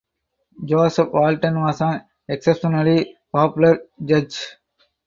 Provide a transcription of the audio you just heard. Joseph Walton was an exceptionally popular Judge.